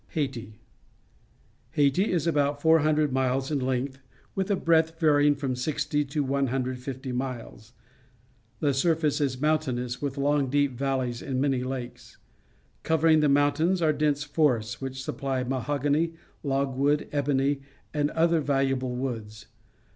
Haiti. — Haiti is about 400 miles in length, \^ ith a breadth varying from 60 to 150 miles. The surface is mountainous, with long, deep valleys and many lakes. Covering the mountains are dense forests, which supply mahogany, logwood, ebony, and other valu able woods.